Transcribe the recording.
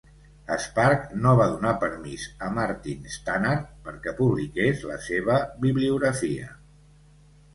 Spark no va donar permís a Martin Stannard perquè publiqués la seva bibliografia.